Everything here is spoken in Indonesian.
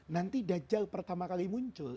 nanti dajal pertama kali muncul